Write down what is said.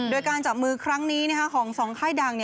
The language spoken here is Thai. โดยการจับมือครั้งนี้ของ๒ค่ายดัง